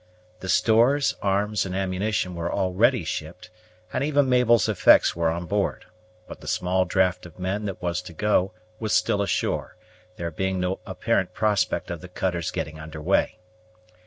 The stores, arms, and ammunition were already shipped, and even Mabel's effects were on board; but the small draft of men that was to go was still ashore, there being no apparent prospect of the cutter's getting under way.